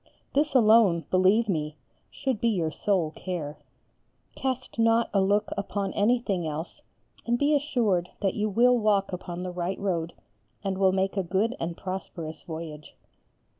This alone, believe me, should be your sole care. Cast not a look upon anything else and be assured that you will walk upon the right road and will make a good and prosperous voyage.